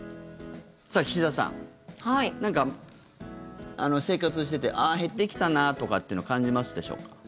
岸田さん、なんか生活しててああ、減ってきたなとかって感じますでしょうか？